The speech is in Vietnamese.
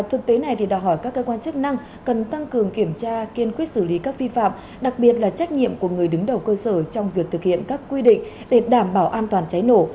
thực tế này đòi hỏi các cơ quan chức năng cần tăng cường kiểm tra kiên quyết xử lý các vi phạm đặc biệt là trách nhiệm của người đứng đầu cơ sở trong việc thực hiện các quy định để đảm bảo an toàn cháy nổ